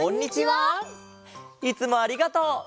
いつもありがとう。